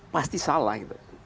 pasti salah gitu